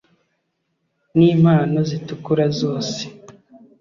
Nimpano zitukura zose